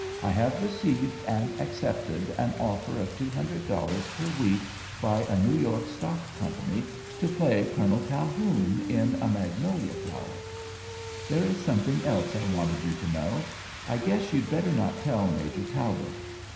I have received and accepted an offer of two hundred dollars per week by a New York stock company to play Colonel Calhoun in A Magnolia Flower. There is something else I wanted you to know. I guess you'd better not tell Major Talbot.